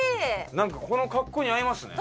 なんかこの格好に合いますね。